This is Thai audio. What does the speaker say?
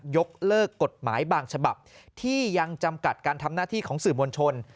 ยกเลิกกฎหมายบางฉบับที่ยังจำกัดการทำหน้าที่ของสื่อมวลชน